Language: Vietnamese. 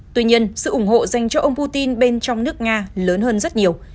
tuy nhiên sự ủng hộ dành cho ông putin bên trong nước nga lớn hơn rất nhiều